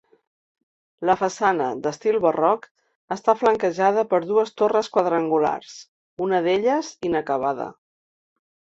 La façana, d'estil barroc, està flanquejada per dues torres quadrangulars, una d'elles inacabada.